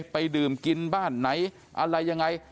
ไปดื่มกินบ้านไหนอะไรยังไง